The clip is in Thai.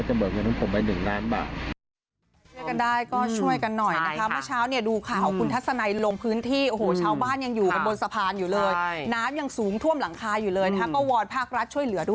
แต่ผมจะเบิกเงินทั้งผมไป๑ล้านบาท